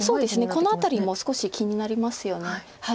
この辺りも少し気になりますよね。